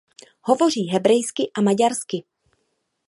Hovoří hebrejsky a maďarsky.